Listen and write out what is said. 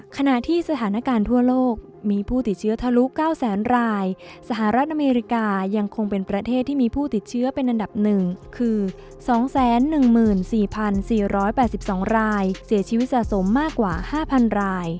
ขณะที่สถานการณ์ทั่วโลกมีผู้ติดเชื้อทะลุ๙แสนรายสหรัฐอเมริกายังคงเป็นประเทศที่มีผู้ติดเชื้อเป็นอันดับ๑คือ๒๑๔๔๘๒รายเสียชีวิตสะสมมากกว่า๕๐๐ราย